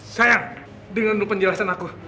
sayang dengan penjelasan aku